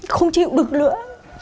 không chịu được nữa